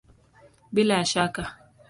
Bila ya shaka!